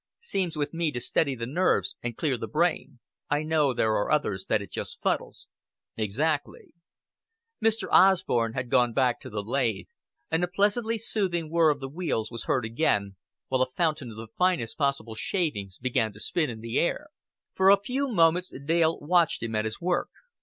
Seems with me to steady the nerves and clear the brain. I know there are others that it just fuddles." "Exactly." Mr. Osborn had gone back to the lathe, and the pleasantly soothing whir of the wheels was heard again, while a fountain of the finest possible shavings began to spin in the air. For a few moments Dale watched him at his work.